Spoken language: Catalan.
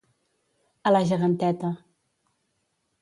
A la geganteta.